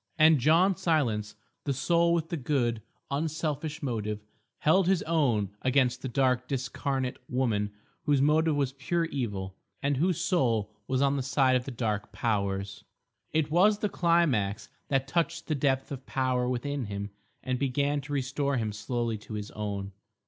And John Silence, the soul with the good, unselfish motive, held his own against the dark discarnate woman whose motive was pure evil, and whose soul was on the side of the Dark Powers. It was the climax that touched the depth of power within him and began to restore him slowly to his own.